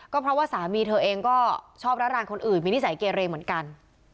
ก็เพราะว่าสามีเธอเองก็ชอบร้านคนอื่นมีนิสัยเกเรเหมือนกัน